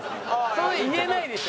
言えないでしょ。